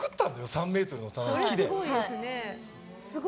３ｍの棚を木で。